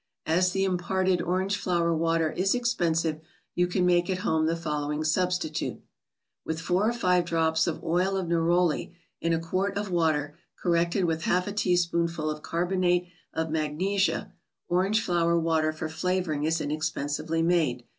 As the im¬ ported Orange flower water is expensive, you can make at home the following substitute : With four or five drops of oil of Neroli in a quart of water corrected with half a teaspoonful of Carbonate of Magnesia, orange flower water for flavoring is inexpen¬ sively made.